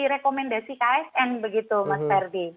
rekomendasi ksn begitu mas ferdi